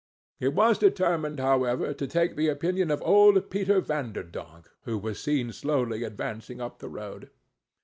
It was determined, however, to take the opinion of old Peter Vanderdonk, who was seen slowly advancing up the road.